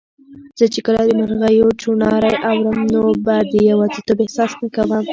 زه چي کله د مرغیو چوڼاری اورم، نو به د یوازیتوب احساس نه کوم